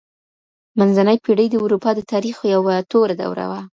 منځنۍ پېړۍ د اروپا د تاريخ يوه توره دوره وه.